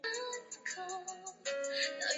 它是中古英语的一个分支。